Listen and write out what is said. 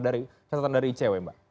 dari catatan dari icw mbak